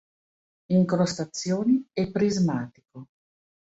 Incrostazioni e prismatico.